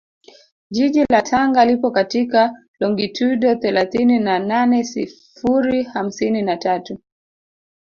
Jiji la Tanga lipo katika longitudo thelathini na nane sifuri hamsini na tatu